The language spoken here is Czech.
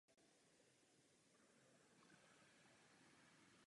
V individuálním závodě skončil v semifinále.